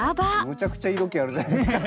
むちゃくちゃ色気あるじゃないですか。